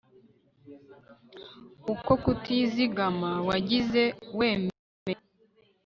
uko kutizigama wagize wemeye